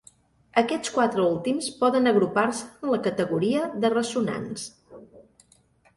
Aquests quatre últims poden agrupar-se en la categoria de ressonants.